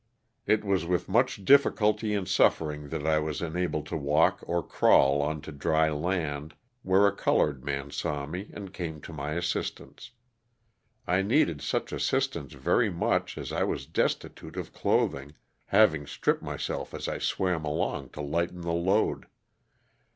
It was with much difficulty and suffering that I was enabled to walk or crawl onto dry land where a colored man saw me and came to my assistance. I needed such assistance very much as I was destitute of clothing, having stripped myself as I swam along to lighten the load.